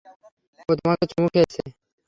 ও তোমাকে চুমু খেয়েছে।